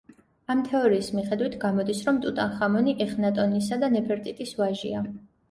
ამ თეორიის მიხედვით, გამოდის, რომ ტუტანხამონი ეხნატონისა და ნეფერტიტის ვაჟია.